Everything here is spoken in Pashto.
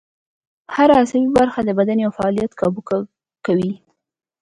هر عصبي برخه د بدن یو فعالیت کابو کوي